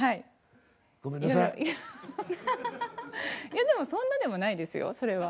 いやでもそんなでもないですよそれは。